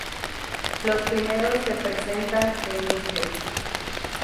Los primeros se presentan en "Mr.